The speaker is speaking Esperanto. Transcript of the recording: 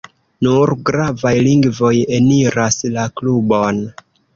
Nur gravaj lingvoj eniras la klubon.